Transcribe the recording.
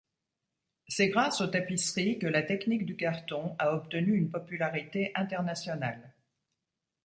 C'est grâce aux tapisseries que la technique du carton a obtenu une popularité internationale.